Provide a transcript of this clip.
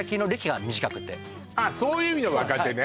あそういう意味の若手ね